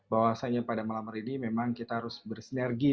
bahwasannya pada malam hari ini memang kita harus bersinergi